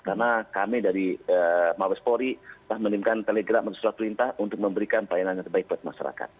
karena kami dari mabes polri kita menimpan telegram dan surat perintah untuk memberikan pelayanan yang terbaik kepada masyarakat